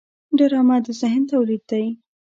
ډرامه د ذهن تولید دی